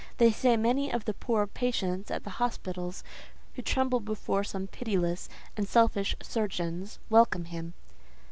They say many of the poor patients at the hospitals, who tremble before some pitiless and selfish surgeons, welcome him."